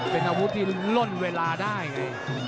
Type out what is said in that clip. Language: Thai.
เป็นอาวุธที่ล่นเวลาได้ไง